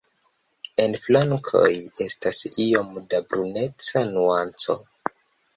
En flankoj estas iom da bruneca nuanco.